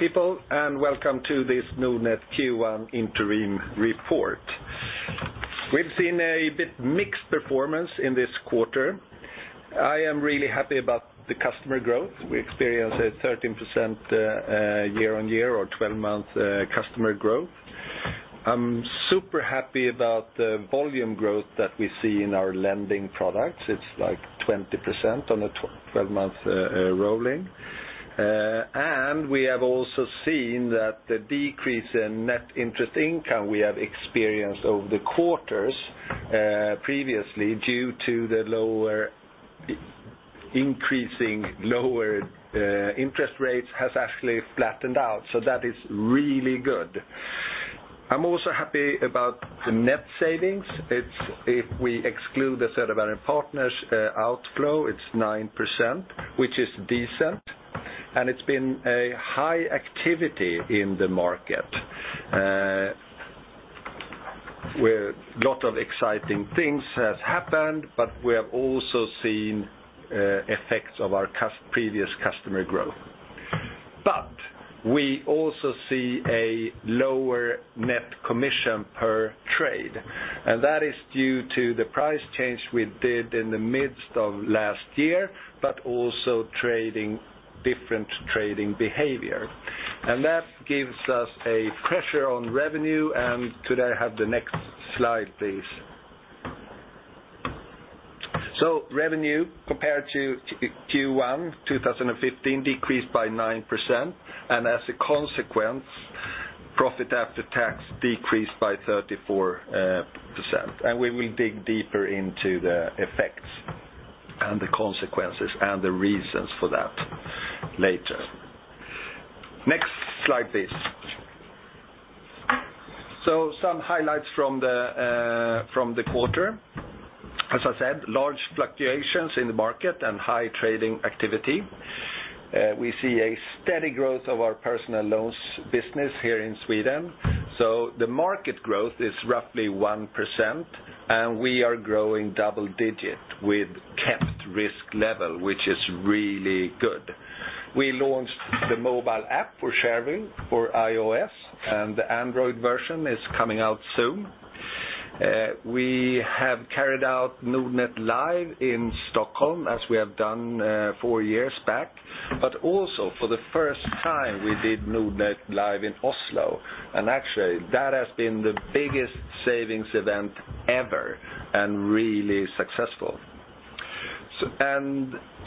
People, welcome to this Nordnet Q1 interim report. We've seen a bit mixed performance in this quarter. I am really happy about the customer growth. We experienced a 13% year-on-year or 12-month customer growth. I'm super happy about the volume growth that we see in our lending products. It's like 20% on a 12-month rolling. We have also seen that the decrease in net interest income we have experienced over the quarters previously due to the increasing lower interest rates has actually flattened out. That is really good. I'm also happy about the net savings. If we exclude the Söderberg & Partners outflow, it's 9%, which is decent, and it's been a high activity in the market, where lot of exciting things has happened, we have also seen effects of our previous customer growth. We also see a lower net commission per trade, that is due to the price change we did in the midst of last year, also different trading behavior. That gives us a pressure on revenue. Could I have the next slide, please? Revenue compared to Q1 2015 decreased by 9%. As a consequence, profit after tax decreased by 34%. We will dig deeper into the effects and the consequences and the reasons for that later. Next slide, please. Some highlights from the quarter. As I said, large fluctuations in the market and high trading activity. We see a steady growth of our personal loans business here in Sweden. The market growth is roughly 1%, and we are growing double digit with capped risk level, which is really good. We launched the mobile app for Shareville for iOS. The Android version is coming out soon. We have carried out Nordnet Live in Stockholm as we have done four years back, also for the first time, we did Nordnet Live in Oslo. Actually, that has been the biggest savings event ever and really successful.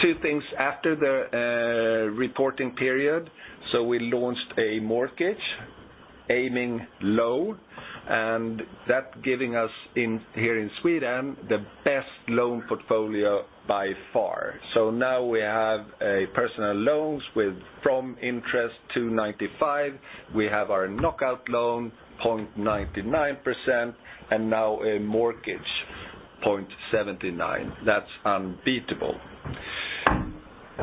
Two things after the reporting period. We launched a mortgage aiming low, that giving us here in Sweden the best loan portfolio by far. Now we have a personal loans from interest 295. We have our Knockout loan, 0.99%, and now a mortgage, 0.79%. That's unbeatable.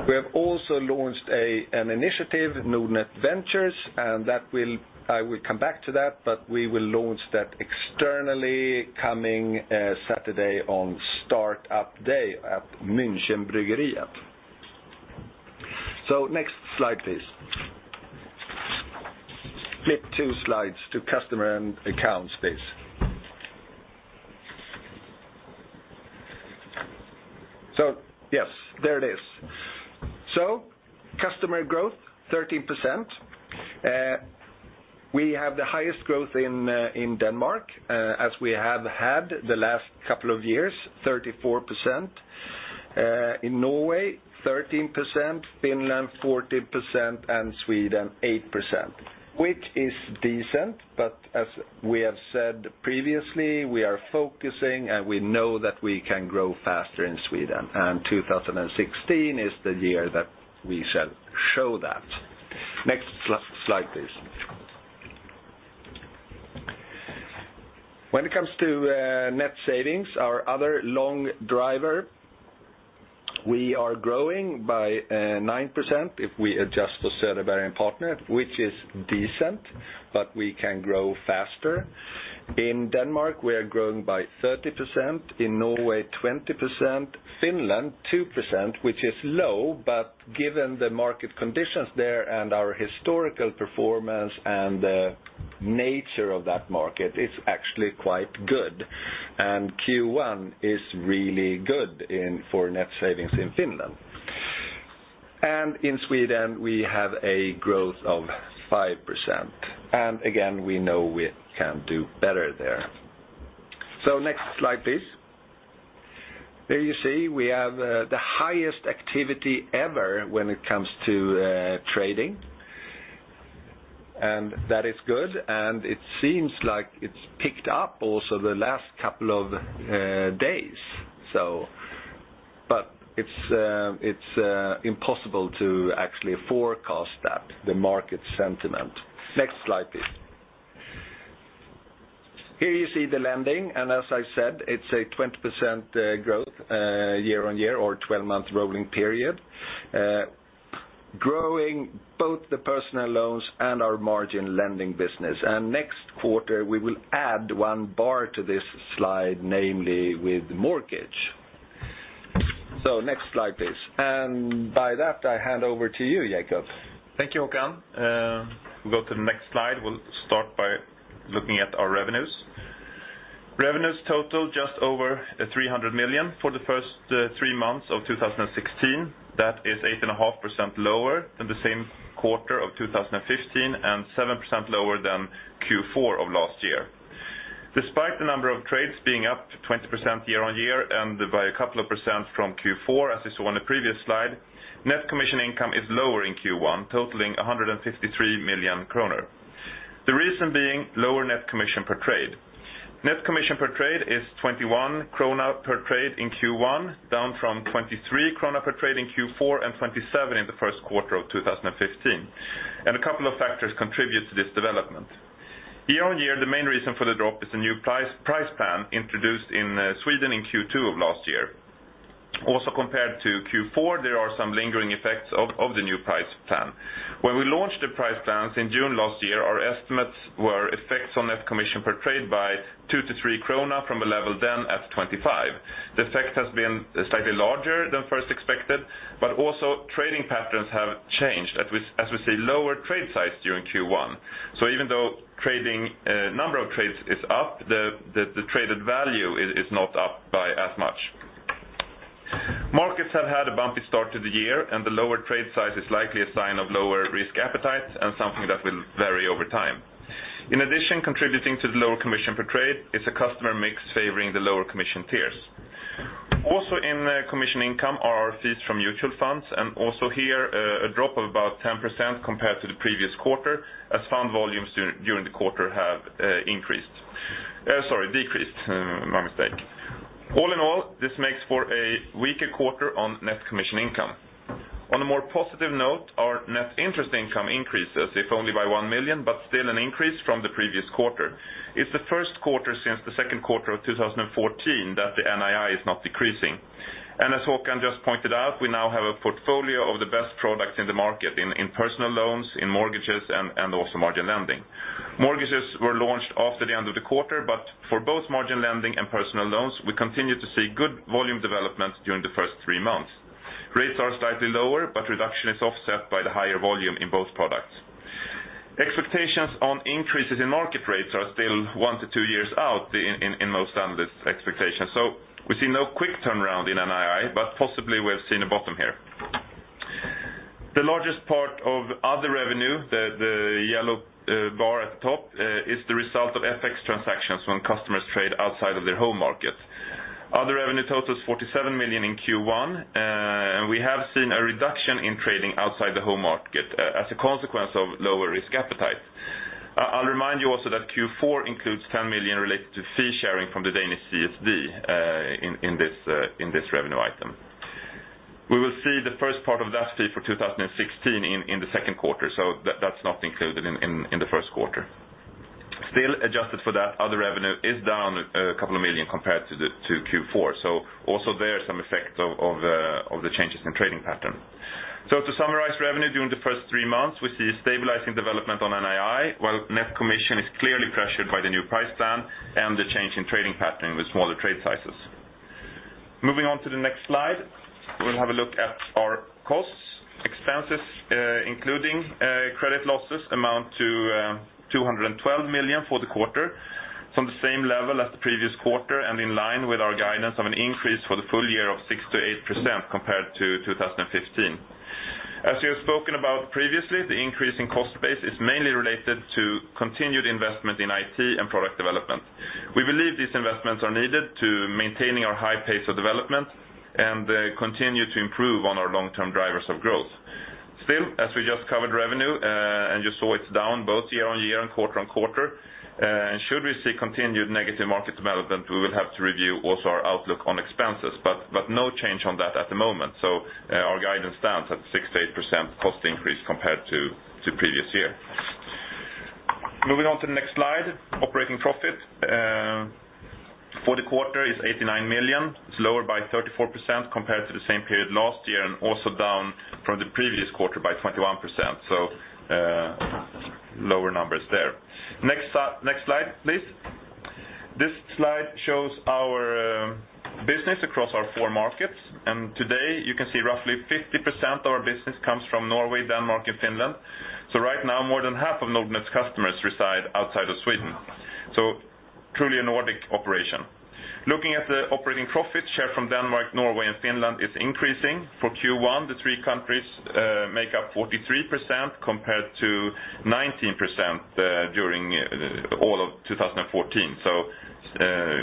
We have also launched an initiative, Nordnet Ventures. I will come back to that, we will launch that externally coming Saturday on Startup Day at Münchenbryggeriet. Next slide, please. Skip two slides to customer and accounts, please. Yes, there it is. Customer growth, 13%. We have the highest growth in Denmark, as we have had the last couple of years, 34%. In Norway, 13%, Finland, 14%, and Sweden, 8%, which is decent. As we have said previously, we are focusing, we know that we can grow faster in Sweden. 2016 is the year that we shall show that. Next slide, please. When it comes to net savings, our other long driver, we are growing by 9% if we adjust to Söderberg & Partners, which is decent, we can grow faster. In Denmark, we are growing by 30%, in Norway, 20%, Finland, 2%, which is low, given the market conditions there and our historical performance and the nature of that market, it's actually quite good. Q1 is really good for net savings in Finland. In Sweden, we have a growth of 5%. Again, we know we can do better there. Next slide, please. There you see we have the highest activity ever when it comes to trading, and that is good, and it seems like it's picked up also the last couple of days. It's impossible to actually forecast that, the market sentiment. Next slide, please. Here you see the lending, and as I said, it's a 20% growth year-on-year or 12-month rolling period. Growing both the personal loans and our margin lending business. Next quarter, we will add one bar to this slide, namely with the mortgage. Next slide, please. By that, I hand over to you, Jacob. Thank you, Håkan. We'll go to the next slide. We'll start by looking at our revenues. Revenues total just over 300 million for the first three months of 2016. That is 8.5% lower than the same quarter of 2015 and 7% lower than Q4 of last year. Despite the number of trades being up 20% year-on-year and by a couple of percent from Q4 as you saw on the previous slide, net commission income is lower in Q1, totaling 153 million kronor. The reason being lower net commission per trade. Net commission per trade is 21 krona per trade in Q1, down from 23 krona per trade in Q4 and 27 per trade in the first quarter of 2015. A couple of factors contribute to this development. Year-on-year, the main reason for the drop is the new price plan introduced in Sweden in Q2 of last year. Also compared to Q4, there are some lingering effects of the new price plan. When we launched the price plans in June last year, our estimates were effects on net commission per trade by 2 to 3 krona from a level then at 25. The effect has been slightly larger than first expected, also trading patterns have changed as we see lower trade size during Q1. Even though number of trades is up, the traded value is not up by as much. Markets have had a bumpy start to the year, and the lower trade size is likely a sign of lower risk appetite and something that will vary over time. In addition, contributing to the lower commission per trade is a customer mix favoring the lower commission tiers. Also in commission income are our fees from mutual funds, also here a drop of about 10% compared to the previous quarter as fund volumes during the quarter have decreased. All in all, this makes for a weaker quarter on net commission income. On a more positive note, our net interest income increases if only by 1 million, still an increase from the previous quarter. It's the first quarter since the second quarter of 2014 that the NII is not decreasing. As Håkan just pointed out, we now have a portfolio of the best products in the market in personal loans, in mortgages, and also margin lending. Mortgages were launched after the end of the quarter, for both margin lending and personal loans, we continue to see good volume development during the first three months. Rates are slightly lower, but reduction is offset by the higher volume in both products. Expectations on increases in market rates are still one to two years out in most analysts' expectations. We see no quick turnaround in NII, but possibly we have seen a bottom here. The largest part of other revenue, the yellow bar at the top, is the result of FX transactions when customers trade outside of their home market. Other revenue totals 47 million in Q1, and we have seen a reduction in trading outside the home market as a consequence of lower risk appetite. I will remind you also that Q4 includes 10 million related to fee sharing from the Danish CSD in this revenue item. We will see the first part of that fee for 2016 in the second quarter, that is not included in the first quarter. Still adjusted for that, other revenue is down SEK a couple of million compared to Q4. Also there, some effect of the changes in trading pattern. To summarize revenue during the first three months, we see stabilizing development on NII while net commission is clearly pressured by the new price plan and the change in trading pattern with smaller trade sizes. Moving on to the next slide. We will have a look at our costs. Expenses including credit losses amount to 212 million for the quarter. It is on the same level as the previous quarter and in line with our guidance of an increase for the full year of 6%-8% compared to 2015. As we have spoken about previously, the increase in cost base is mainly related to continued investment in IT and product development. We believe these investments are needed to maintaining our high pace of development and continue to improve on our long-term drivers of growth. Still, as we just covered revenue and you saw it is down both year-over-year and quarter-over-quarter, should we see continued negative market development, we will have to review also our outlook on expenses, but no change on that at the moment. Our guidance stands at 6%-8% cost increase compared to previous year. Moving on to the next slide. Operating profit for the quarter is 89 million. It is lower by 34% compared to the same period last year and also down from the previous quarter by 21%. Lower numbers there. Next slide, please. This slide shows our business across our four markets, and today you can see roughly 50% of our business comes from Norway, Denmark, and Finland. Right now more than half of Nordnet's customers reside outside of Sweden, truly a Nordic operation. Looking at the operating profit share from Denmark, Norway, and Finland is increasing. For Q1 the three countries make up 43% compared to 19% during all of 2014.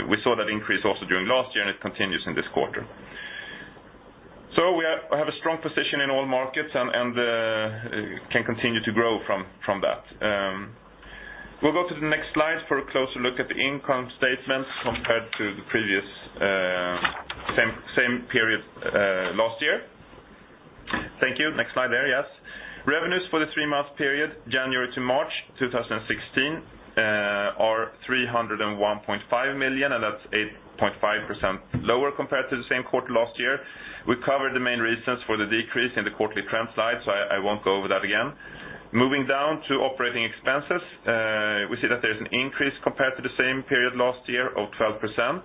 We saw that increase also during last year, and it continues in this quarter. We have a strong position in all markets and can continue to grow from that. We will go to the next slide for a closer look at the income statement compared to the previous same period last year. Thank you. Next slide there, yes. Revenues for the three-month period January to March 2016 are 301.5 million, and that is 8.5% lower compared to the same quarter last year. We covered the main reasons for the decrease in the quarterly trend slide, I will not go over that again. Moving down to operating expenses, we see that there's an increase compared to the same period last year of 12%.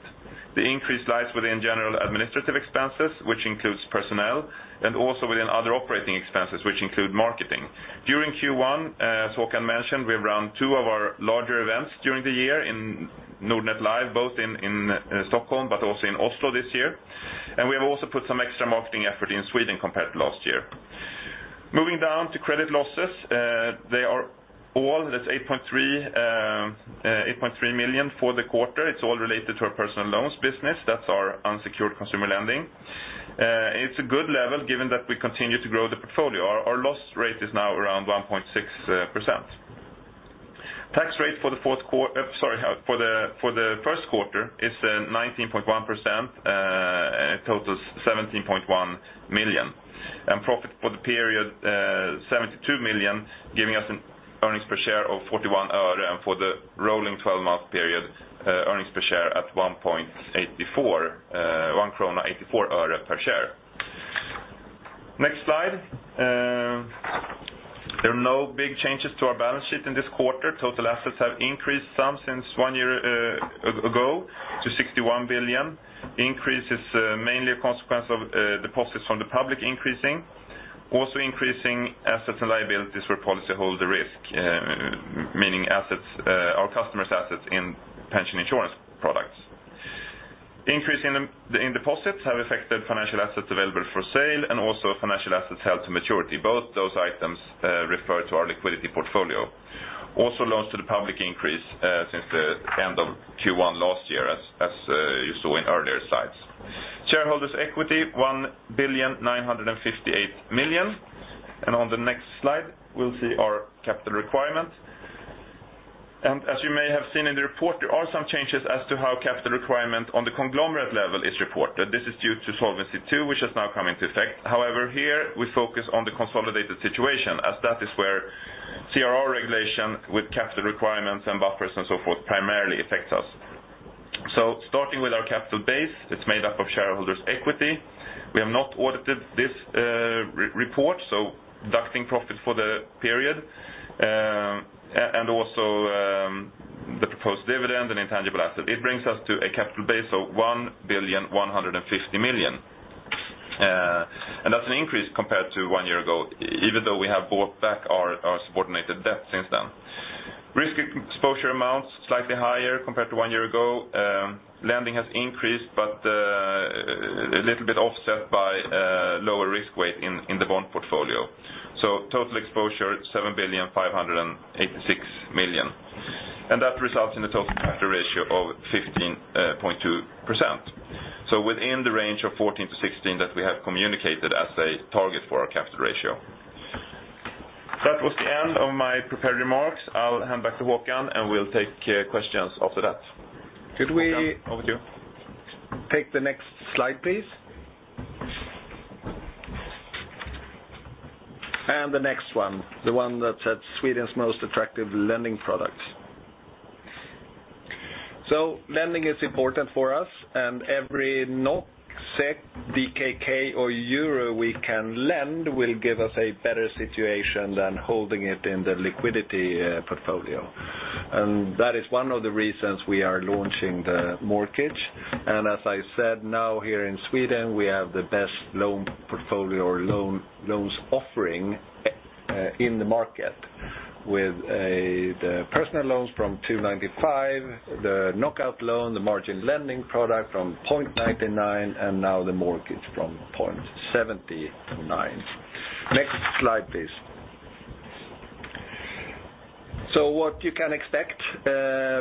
The increase lies within general administrative expenses, which includes personnel, and also within other operating expenses, which include marketing. During Q1, as Håkan mentioned, we've run two of our larger events during the year in Nordnet Live, both in Stockholm but also in Oslo this year. We have also put some extra marketing effort in Sweden compared to last year. Moving down to credit losses, they are all that's 8.3 million for the quarter. It's all related to our personal loans business. That's our unsecured consumer lending. It's a good level given that we continue to grow the portfolio. Our loss rate is now around 1.6%. Tax rate for the first quarter is 19.1%, totals 17.1 million. Profit for the period, 72 million, giving us an earnings per share of SEK 0.41 for the rolling 12-month period, earnings per share at 1.84 per share. Next slide. There are no big changes to our balance sheet in this quarter. Total assets have increased some since one year ago to 61 billion. Increase is mainly a consequence of deposits from the public increasing, also increasing assets and liabilities for policyholder risk, meaning our customers' assets in pension insurance products. Increase in deposits have affected financial assets available for sale and also financial assets held to maturity. Both those items refer to our liquidity portfolio. Also loans to the public increase since the end of Q1 last year, as you saw in earlier slides. Shareholders equity, 1 billion, 958 million. On the next slide, we'll see our capital requirement. As you may have seen in the report, there are some changes as to how capital requirement on the conglomerate level is reported. This is due to Solvency II, which has now come into effect. However, here we focus on the consolidated situation as that is where CRR regulation with capital requirements and buffers and so forth primarily affects us. Starting with our capital base, it's made up of shareholders' equity. We have not audited this report, so deducting profit for the period, also the proposed dividend and intangible asset, it brings us to a capital base of 1 billion, 150 million. That's an increase compared to one year ago, even though we have bought back our subordinated debt since then. Risk exposure amounts slightly higher compared to one year ago. Lending has increased, a little bit offset by lower risk weight in the bond portfolio. Total exposure, 7 billion, 586 million. That results in a total capital ratio of 15.2%. So within the range of 14%-16% that we have communicated as a target for our capital ratio. That was the end of my prepared remarks. I'll hand back to Håkan, we'll take questions after that. Håkan, over to you. Could we take the next slide, please? The next one, the one that says Sweden's most attractive lending products. Lending is important for us, every NOK, SEK, DKK, or EUR we can lend will give us a better situation than holding it in the liquidity portfolio. That is one of the reasons we are launching the mortgage. As I said, now here in Sweden, we have the best loan portfolio or loans offering in the market with the personal loans from 2.95%, the Knockout loan, the margin lending product from 0.99%, and now the mortgage from 0.79%. Next slide, please. What you can expect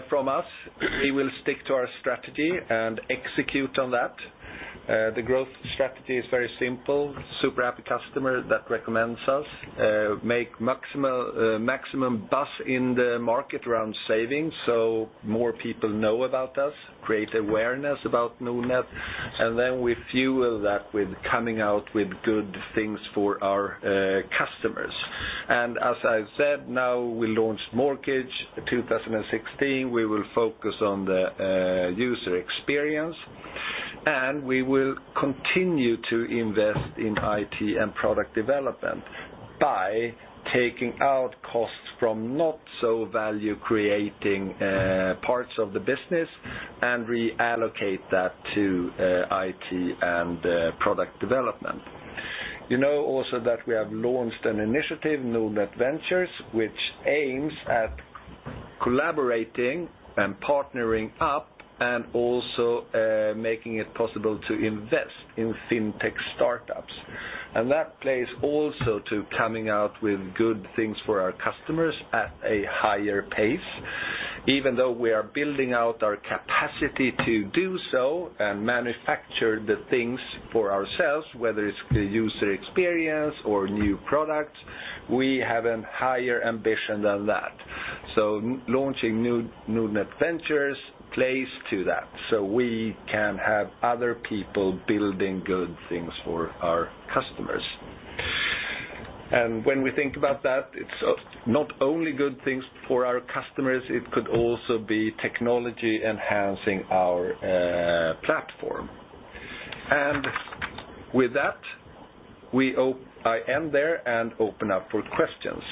from us, we will stick to our strategy and execute on that. The growth strategy is very simple. Super happy customer that recommends us, make maximum buzz in the market around savings so more people know about us, create awareness about Nordnet, and then we fuel that with coming out with good things for our customers. As I've said, now we launched mortgage. 2016, we will focus on the user experience, we will continue to invest in IT and product development by taking out costs from not so value-creating parts of the business and reallocate that to IT and product development. You know also that we have launched an initiative, Nordnet Ventures, which aims at collaborating and partnering up and also making it possible to invest in fintech startups. That plays also to coming out with good things for our customers at a higher pace. Even though we are building out our capacity to do so and manufacture the things for ourselves, whether it's the user experience or new products, we have a higher ambition than that. Launching Nordnet Ventures plays to that so we can have other people building good things for our customers. When we think about that, it's not only good things for our customers, it could also be technology enhancing our platform. With that, I end there and open up for questions.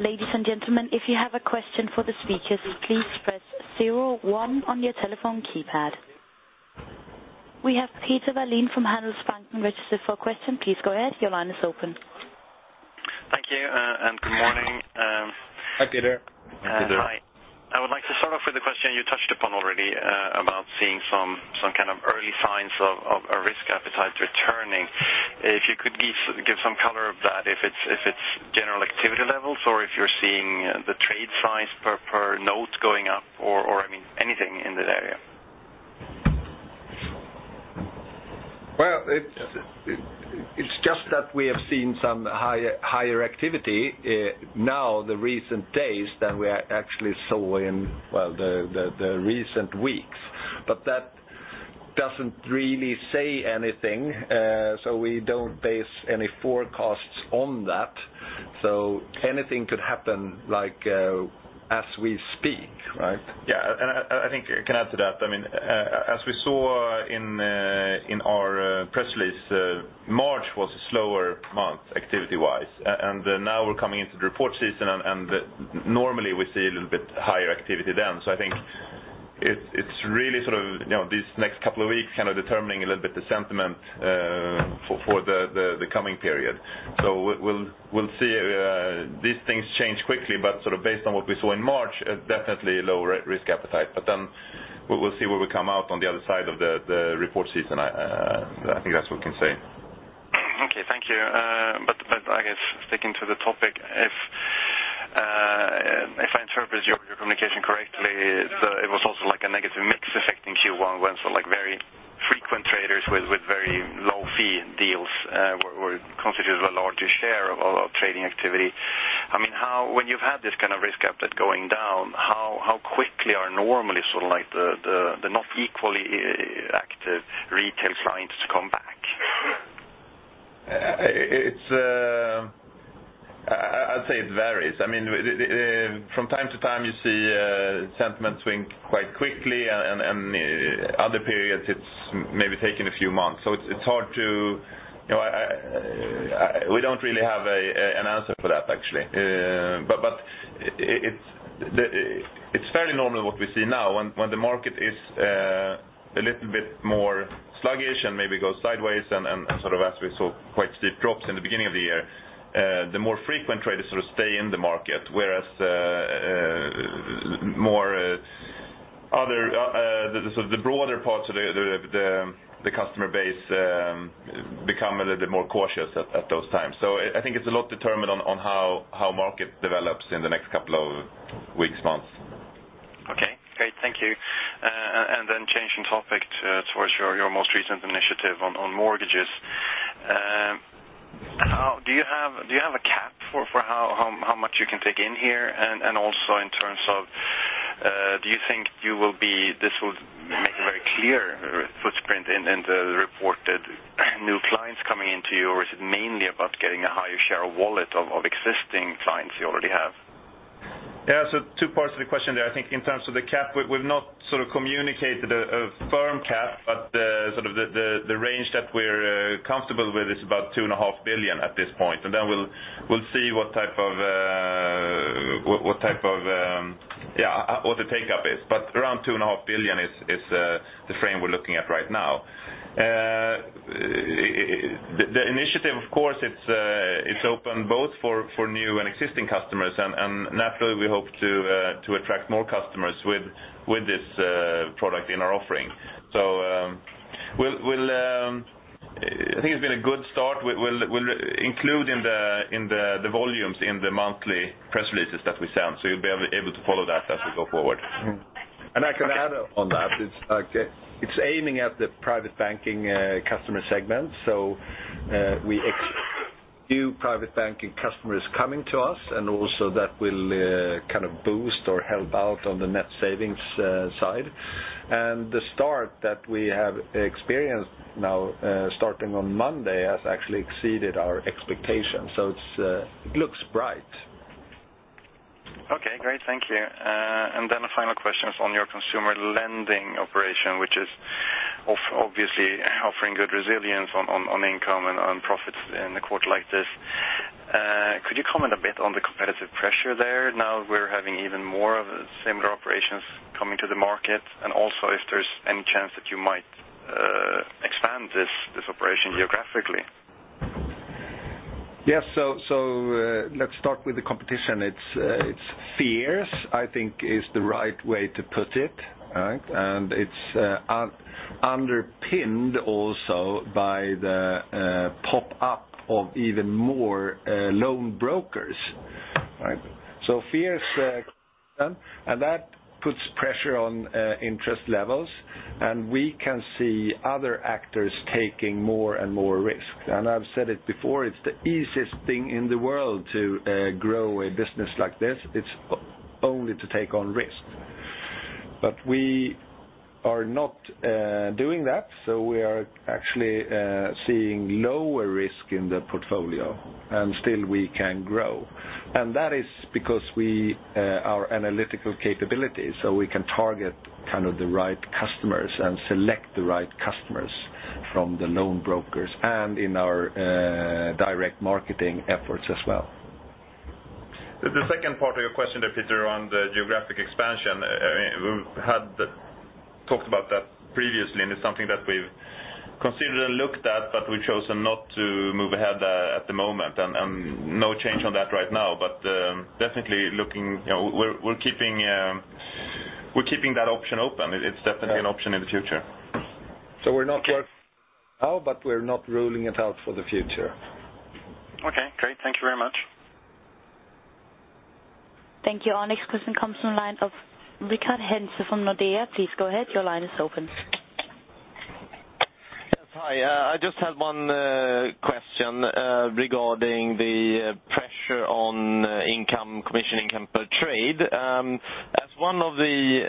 Ladies and gentlemen, if you have a question for the speakers, please press 01 on your telephone keypad. We have Peter Wallin from Handelsbanken registered for a question. Please go ahead. Your line is open. Thank you, and good morning. Hi, Peter. Hi. I would like to start off with a question you touched upon already about seeing some kind of early signs of a risk appetite returning. If you could give some color of that, if it's general activity levels or if you're seeing the trade size per note going up or anything in that area. Well it's just that we have seen some higher activity now the recent days than we actually saw in the recent weeks. That doesn't really say anything, so we don't base any forecasts on that. Anything could happen as we speak, right? Yes. I think I can add to that. As we saw in our press release, March was a slower month activity-wise. Now we're coming into the report season, normally we see a little bit higher activity then. I think it's really these next couple of weeks determining a little bit the sentiment for the coming period. We'll see these things change quickly, based on what we saw in March, definitely lower risk appetite. Then we'll see where we come out on the other side of the report season. I think that's what we can say. Okay. Thank you. I guess sticking to the topic, if I interpret your communication correctly, it was also like a negative mix effect in Q1 when very frequent traders with very low-fee deals constituted a larger share of trading activity. When you've had this kind of risk appetite going down, how quickly are normally the not equally active retail clients to come back? I'd say it varies. From time to time, you see sentiment swing quite quickly, Other periods it's maybe taking a few months. We don't really have an answer for that, actually. It's fairly normal what we see now. When the market is a little bit more sluggish and maybe goes sideways As we saw quite steep drops in the beginning of the year the more frequent traders stay in the market, whereas the broader parts of the customer base become a little bit more cautious at those times. I think it's a lot determined on how market develops in the next couple of weeks, months. Okay, great. Thank you. Then changing topic towards your most recent initiative on mortgages. Do you have a cap for how much you can take in here? Also in terms of do you think this will make a very clear footprint in the reported new clients coming into you, or is it mainly about getting a higher share of wallet of existing clients you already have? Yes. Two parts to the question there. I think in terms of the cap, we've not communicated a firm cap, but the range that we're comfortable with is about two and a half billion at this point. Then we'll see what the take-up is. Around two and a half billion is the frame we're looking at right now. The initiative, of course, it's open both for new and existing customers, and naturally, we hope to attract more customers with this product in our offering. I think it's been a good start. We'll include the volumes in the monthly press releases that we send. You'll be able to follow that as we go forward. I can add on that. It's aiming at the private banking customer segment. We expect new private banking customers coming to us, also that will boost or help out on the net savings side. The start that we have experienced now starting on Monday has actually exceeded our expectations. It looks bright. Okay, great. Thank you. Then a final question on your consumer lending operation, which is obviously offering good resilience on income and on profits in a quarter like this. Could you comment a bit on the competitive pressure there now we're having even more of similar operations coming to the market? Also if there's any chance that you might expand this operation geographically. Yes. Let's start with the competition. It's fierce, I think is the right way to put it, right? It's underpinned also by the pop up of even more loan brokers. Fierce and that puts pressure on interest levels. We can see other actors taking more and more risk. I've said it before, it's the easiest thing in the world to grow a business like this. It's only to take on risk. We are not doing that. We are actually seeing lower risk in the portfolio, still we can grow. That is because our analytical capabilities. We can target the right customers and select the right customers from the loan brokers, in our direct marketing efforts as well. The second part of your question there, Peter, on the geographic expansion, we've talked about that previously, and it's something that we've considered and looked at, but we've chosen not to move ahead at the moment, and no change on that right now. Definitely we're keeping that option open. It's definitely an option in the future. We're not working now, but we're not ruling it out for the future. Okay, great. Thank you very much. Thank you. Our next question comes from the line of Ricard Hellman from Nordea. Please go ahead. Your line is open. Yes. Hi. I just had one question regarding the pressure on income, commission income per trade. As one of the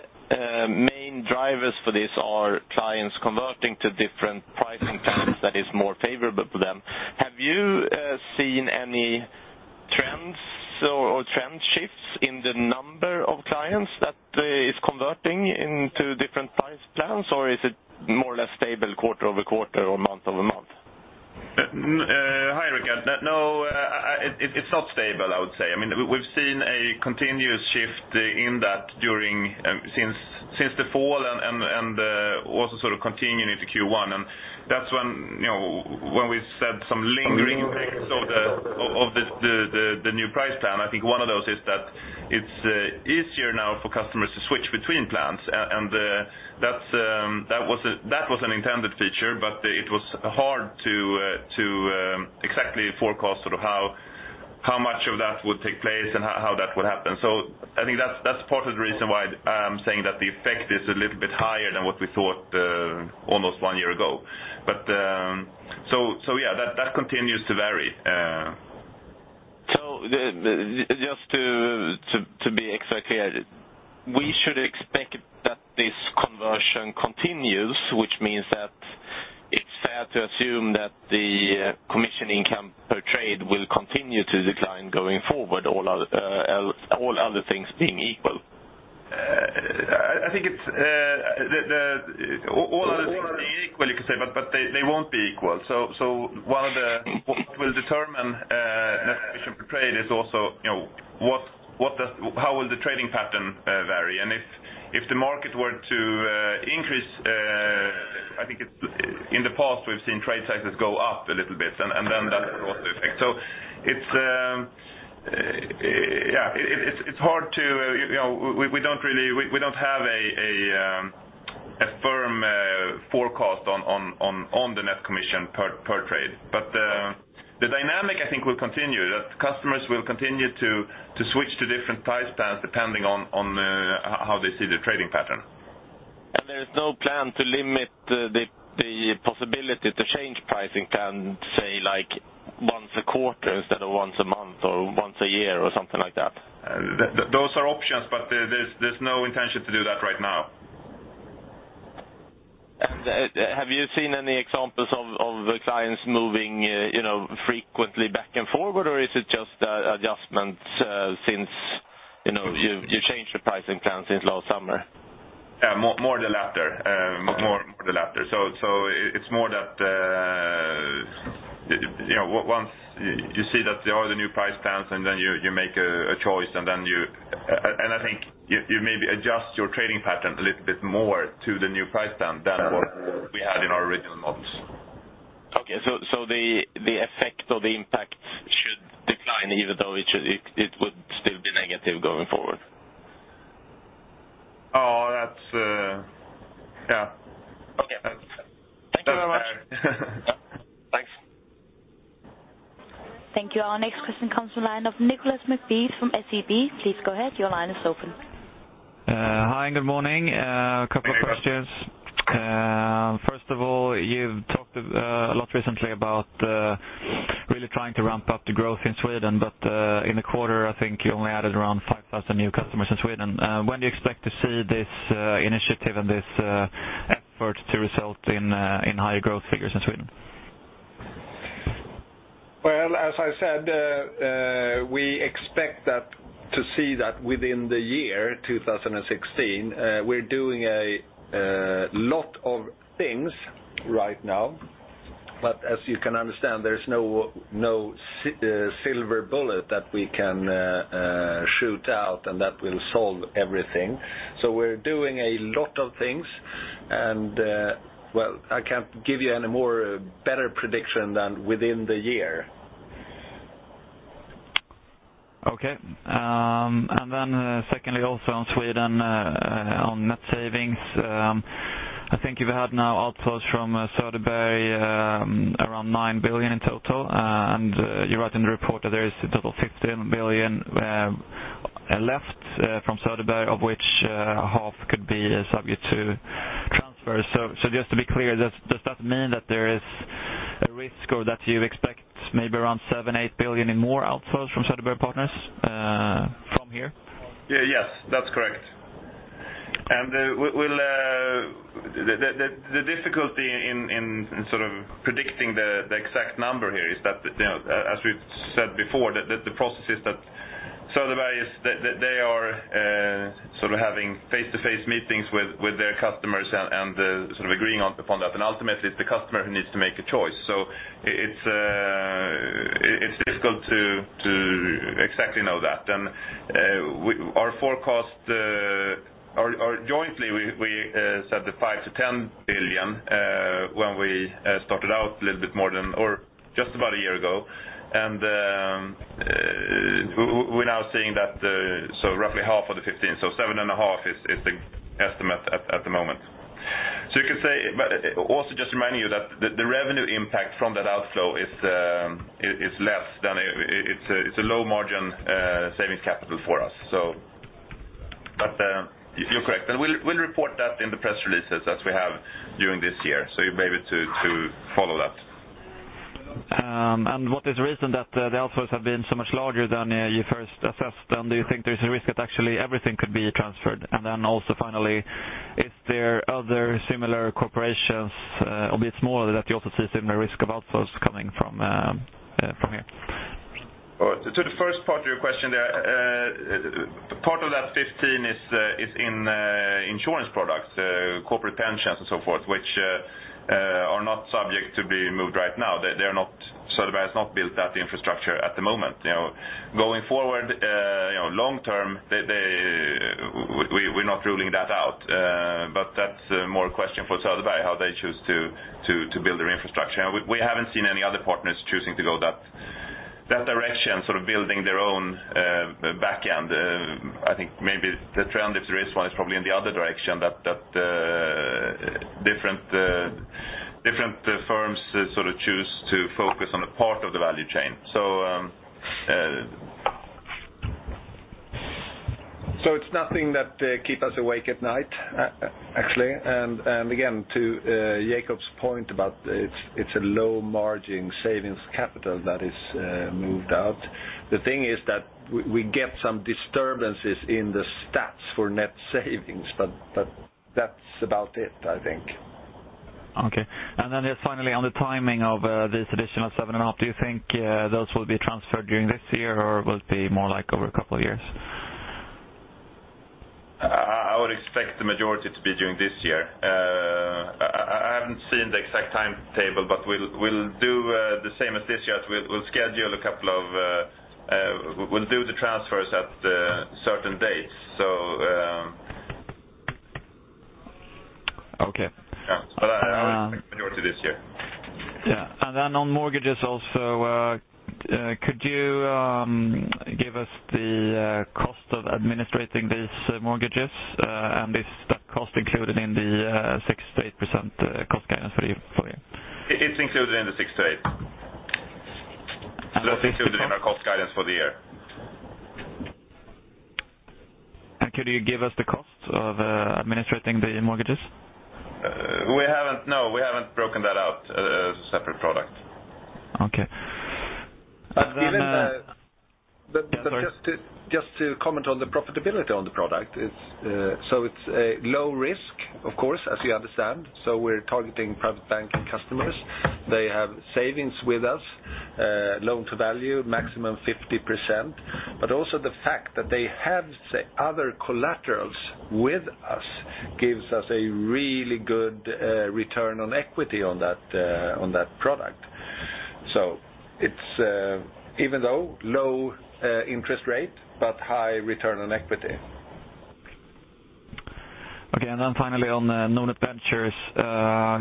main drivers for this are clients converting to different pricing plans that is more favorable to them, have you seen any trends or trend shifts in the number of clients that is converting into different price plans, or is it more or less stable quarter-over-quarter or month-over-month? Hi, Ricard. It's not stable, I would say. We've seen a continuous shift in that since the fall and also continuing into Q1, and that's when we've said some lingering impacts of the new price plan. I think one of those is that it's easier now for customers to switch between plans, and that was an intended feature, but it was hard to exactly forecast how much of that would take place and how that would happen. I think that's part of the reason why I'm saying that the effect is a little bit higher than what we thought almost one year ago. Yeah, that continues to vary. Just to be exactly clear, we should expect that this conversion continues, which means that it's fair to assume that the commission income per trade will continue to decline going forward, all other things being equal? I think all other things being equal, you could say, but they won't be equal. One of the, what will determine net commission per trade is also how will the trading pattern vary, and if the market were to increase, I think in the past, we've seen trade sizes go up a little bit, and then that's got an effect. We don't have a firm forecast on the net commission per trade. The dynamic I think will continue, that customers will continue to switch to different price plans depending on how they see their trading pattern. There is no plan to limit the possibility to change pricing plans, say like once a quarter instead of once a month or once a year or something like that? Those are options, there's no intention to do that right now. Have you seen any examples of clients moving frequently back and forward, or is it just adjustments since you changed the pricing plans since last summer? More the latter. It's more that once you see that there are the new price plans, and then you make a choice, and I think you maybe adjust your trading pattern a little bit more to the new price plan than what we had in our original models. Okay. The effect or the impact should decline even though it would still be negative going forward? That's Yeah. Okay. Thank you very much. Thanks. Thank you. Our next question comes from the line of Nicklas Fhärm from SEB. Please go ahead. Your line is open. Hi, good morning. A couple of questions. You've talked a lot recently about really trying to ramp up the growth in Sweden. In the quarter, I think you only added around 5,000 new customers in Sweden. When do you expect to see this initiative and this effort to result in higher growth figures in Sweden? Well, as I said, we expect to see that within the year 2016. We're doing a lot of things right now. As you can understand, there's no silver bullet that we can shoot out and that will solve everything. We're doing a lot of things, and I can't give you any better prediction than within the year. Okay. Secondly, also on Sweden, on net savings. I think you've had now outflows from Söderberg around 9 billion in total, and you write in the report that there is a total of 15 billion left from Söderberg, of which half could be subject to transfer. Just to be clear, does that mean that there is a risk or that you expect maybe around 7 billion-8 billion in more outflows from Söderberg & Partners from here? Yes, that's correct. Difficulty in predicting the exact number here is that, as we've said before, the process is that Söderberg, they are having face-to-face meetings with their customers and agreeing upon that. Ultimately, it's the customer who needs to make a choice. It's difficult to exactly know that. Our forecast, jointly we set the 5 billion-10 billion when we started out a little bit more than, or just about a year ago. We're now seeing that roughly half of the 15, so 7.5 is the estimate at the moment. Also just reminding you that the revenue impact from that outflow is less than It's a low margin savings capital for us. You're correct. We'll report that in the press releases as we have during this year. You'll be able to follow that. What is the reason that the outflows have been so much larger than you first assessed? Do you think there's a risk that actually everything could be transferred? Also finally, is there other similar corporations, albeit smaller, that you also see similar risk of outflows coming from here? To the first part of your question there. Part of that 15 is in insurance products, corporate pensions and so forth, which are not subject to be moved right now. Söderberg has not built that infrastructure at the moment. Going forward, long term, we're not ruling that out. That's more a question for Söderberg, how they choose to build their infrastructure. We haven't seen any other partners choosing to go that direction, building their own back end. I think maybe the trend, if there is one, is probably in the other direction, that different firms choose to focus on a part of the value chain. It's nothing that keep us awake at night, actually. Again, to Jacob's point about it's a low margin savings capital that is moved out. The thing is that we get some disturbances in the stats for net savings, but that's about it, I think. Okay. Then just finally on the timing of this additional seven and a half. Do you think those will be transferred during this year or will it be more like over a couple of years? I would expect the majority to be during this year. I haven't seen the exact timetable, but we'll do the same as this year. We'll schedule a couple of transfers at certain dates. Okay. I would expect the majority this year. Yeah. Then on mortgages also, could you give us the cost of administrating these mortgages, and is that cost included in the 6%-8% cost guidance for you? It's included in the 6-8. That's included in our cost guidance for the year. Could you give us the cost of administrating the mortgages? No, we haven't broken that out as a separate product. Okay. Just to comment on the profitability on the product. It's low risk, of course, as you understand. We're targeting private banking customers. They have savings with us, loan to value maximum 50%. Also the fact that they have other collaterals with us gives us a really good return on equity on that product. It's even though low interest rate, but high return on equity. Finally on Nordnet Ventures.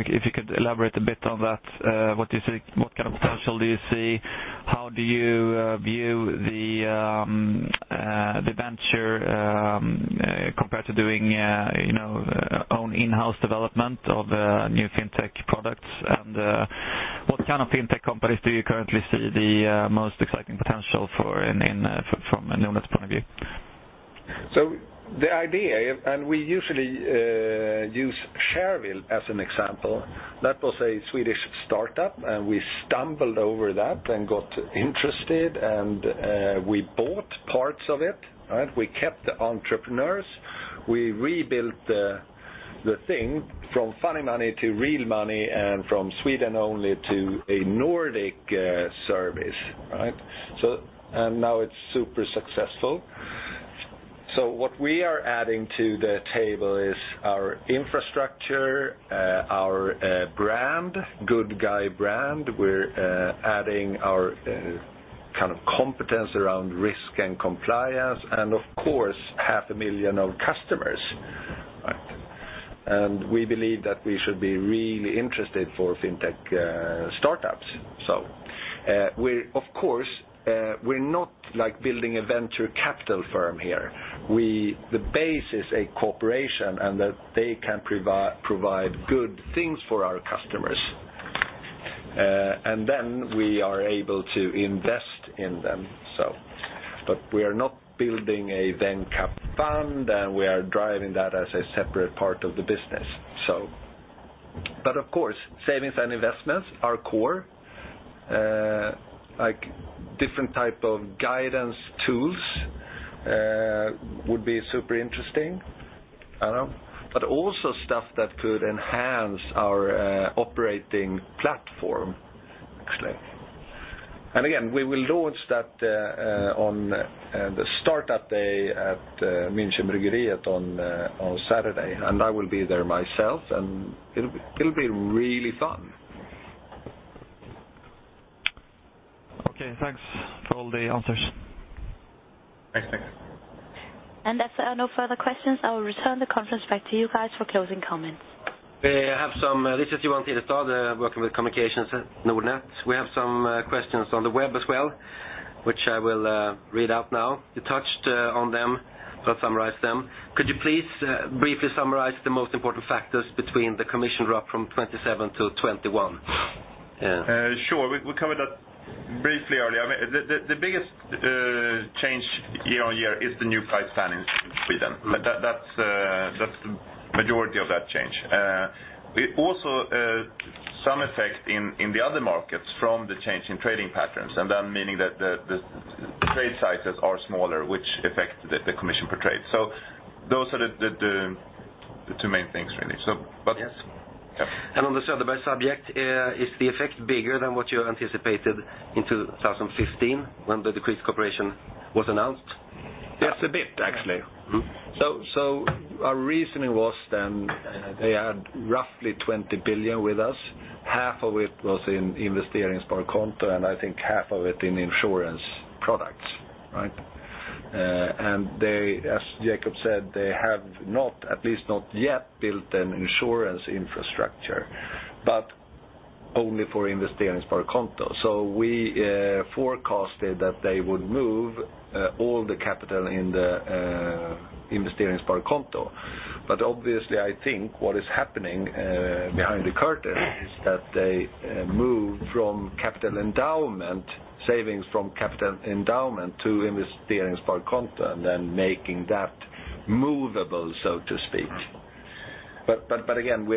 If you could elaborate a bit on that. What kind of potential do you see? How do you view the venture compared to doing own in-house development of new fintech products? What kind of fintech companies do you currently see the most exciting potential from a Nordnet's point of view? The idea, we usually use Shareville as an example. That was a Swedish startup, we stumbled over that and got interested, we bought parts of it. We kept the entrepreneurs. We rebuilt the thing from funny money to real money and from Sweden only to a Nordic service. Now it's super successful. What we are adding to the table is our infrastructure, our brand, good guy brand. We're adding our competence around risk and compliance, of course, half a million of customers. We believe that we should be really interested for fintech startups. Of course, we're not building a venture capital firm here. The base is a corporation, that they can provide good things for our customers. We are able to invest in them. We are not building a vent cap fund, we are driving that as a separate part of the business. Of course, savings and investments are core. Different type of guidance tools would be super interesting. Also stuff that could enhance our operating platform, actually. Again, we will launch that on the Startup Day at Münchenbryggeriet on Saturday, I will be there myself, it'll be really fun. Okay, thanks for all the answers. Thanks. As there are no further questions, I will return the conference back to you guys for closing comments. This is Johan Hallén working with communications at Nordnet. We have some questions on the web as well, which I will read out now. You touched on them, so I will summarize them. Could you please briefly summarize the most important factors between the commission drop from 27 to 21? Sure. We covered that briefly earlier. The biggest change year-on-year is the new price plan in Sweden. That's the majority of that change. Also, some effect in the other markets from the change in trading patterns, and that meaning that the trade sizes are smaller, which affect the commission per trade. Those are the two main things, really. Yes. Yeah. On the SEB subject, is the effect bigger than what you anticipated in 2015 when the decreased cooperation was announced? Yes, a bit, actually. Our reasoning was then they had roughly 20 billion with us. Half of it was in investeringssparkonto, and I think half of it in insurance products. As Jacob said, they have not, at least not yet, built an insurance infrastructure, but only for investeringssparkonto. We forecasted that they would move all the capital in the investeringssparkonto. Obviously, I think what is happening behind the curtain is that they move from capital endowment, savings from capital endowment to investeringssparkonto, and then making that movable, so to speak. Again,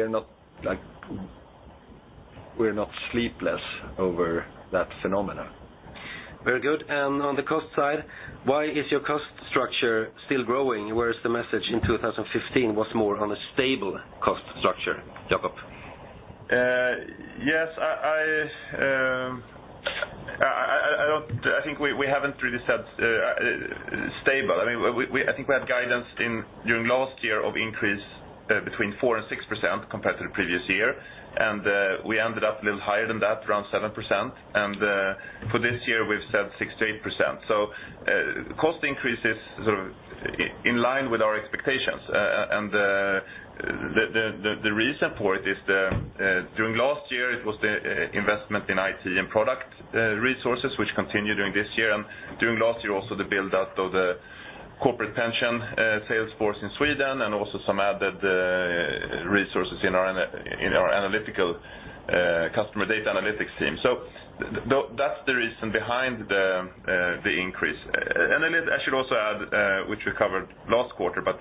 we're not sleepless over that phenomena. Very good. On the cost side, why is your cost structure still growing? Whereas the message in 2015 was more on a stable cost structure. Jacob. Yes, I think we haven't really said stable. I think we had guidance during last year of increase between 4% and 6% compared to the previous year, and we ended up a little higher than that, around 7%. For this year, we've said 6%-8%. Cost increase is in line with our expectations. The reason for it is during last year, it was the investment in IT and product resources which continued during this year. During last year, also the build out of the corporate pension sales force in Sweden and also some added resources in our analytical customer data analytics team. That's the reason behind the increase. I should also add which we covered last quarter, but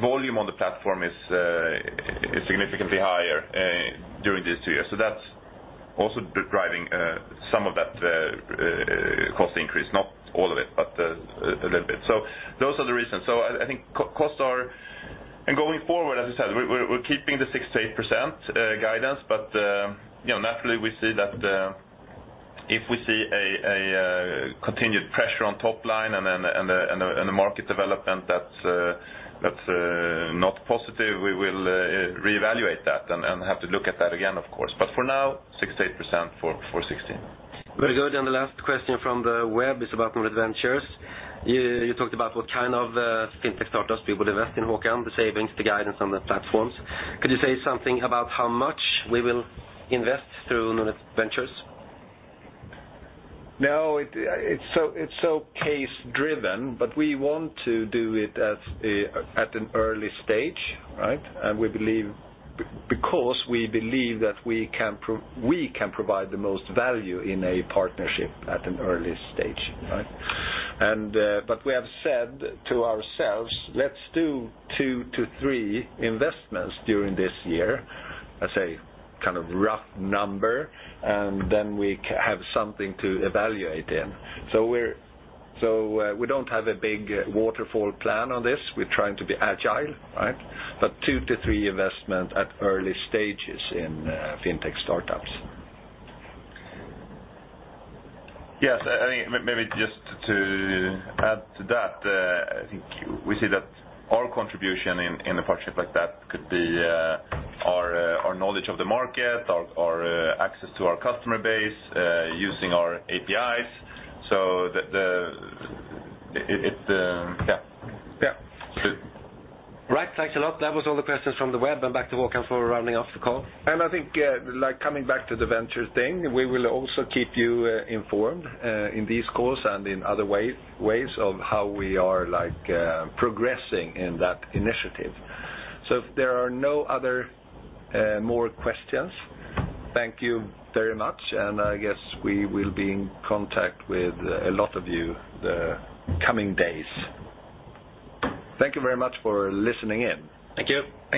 volume on the platform is significantly higher during these two years. That's also driving some of that cost increase. Not all of it, but a little bit. Those are the reasons. I think costs are. Going forward, as I said, we're keeping the 6%-8% guidance, but naturally we see that if we see a continued pressure on top line and the market development that's not positive, we will reevaluate that and have to look at that again, of course. For now, 6%-8% for 2016. Very good. The last question from the web is about Nordnet Ventures. You talked about what kind of fintech startups we will invest in, Håkan, the savings, the guidance on the platforms. Could you say something about how much we will invest through Nordnet Ventures? No, it's so case driven, but we want to do it at an early stage. Because we believe that we can provide the most value in a partnership at an early stage. We have said to ourselves, let's do two to three investments during this year as a kind of rough number, and then we have something to evaluate in. We don't have a big waterfall plan on this. We're trying to be agile. Two to three investment at early stages in fintech startups. Yes. Maybe just to add to that, I think we see that our contribution in a partnership like that could be our knowledge of the market, our access to our customer base using our APIs. Yeah. Right. Thanks a lot. That was all the questions from the web. Back to Håkan for rounding off the call. I think coming back to the ventures thing, we will also keep you informed in these calls and in other ways of how we are progressing in that initiative. If there are no other more questions, thank you very much, and I guess we will be in contact with a lot of you the coming days. Thank you very much for listening in. Thank you.